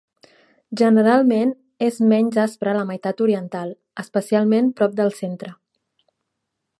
Generalment és menys aspra la meitat oriental, especialment prop del centre.